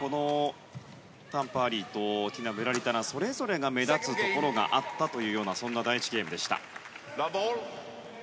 タン・パーリーとティナ・ムラリタランそれぞれが目立つところがあったというそんな第１ゲームでした。